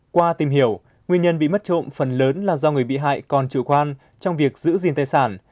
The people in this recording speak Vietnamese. qua tìm hiểu nguyên nhân bị mất trộm phần lớn là do người bị hại còn chủ quan trong việc giữ gìn tài sản